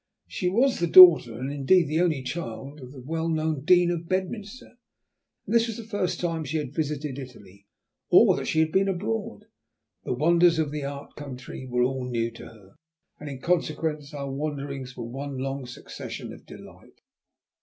She was the daughter, and indeed the only child, of the well known Dean of Bedminster, and this was the first time she had visited Italy, or that she had been abroad. The wonders of the Art Country were all new to her, and in consequence our wanderings were one long succession of delight.